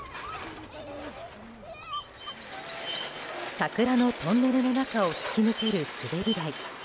桜のトンネルの中を突き抜ける滑り台。